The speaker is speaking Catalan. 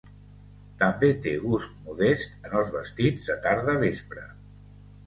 També té gust modest en els vestits de tarda vespre.